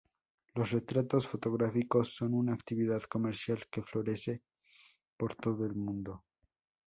Los retratos fotográficos son una actividad comercial que florece por todo el mundo.